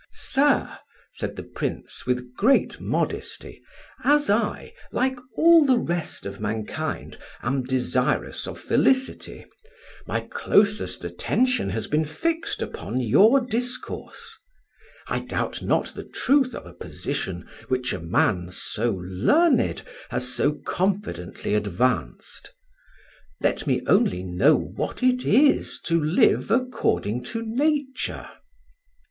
"Sir," said the Prince with great modesty, "as I, like all the rest of mankind, am desirous of felicity, my closest attention has been fixed upon your discourse: I doubt not the truth of a position which a man so learned has so confidently advanced. Let me only know what it is to live according to Nature."